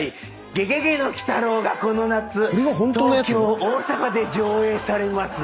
『ゲゲゲの鬼太郎』がこの夏東京大阪で上演されます。